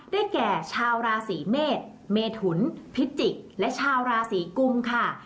แก่ชาวราศีเมษเมถุนพิจิกษ์และชาวราศีกุมค่ะ